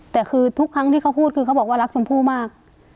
แต่คือทุกครั้งที่เขาพูดคือเขาบอกว่ารักชมพู่มาก